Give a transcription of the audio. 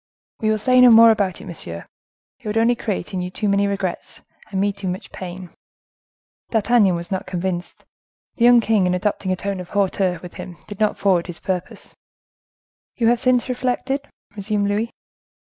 "We will say no more about it, monsieur; it would only create in you too many regrets, and me too much pain." D'Artagnan was not convinced. The young king, in adopting a tone of hauteur with him, did not forward his purpose. "You have since reflected?" resumed Louis.